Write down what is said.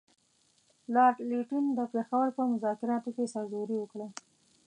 لارډ لیټن د پېښور په مذاکراتو کې سرزوري وکړه.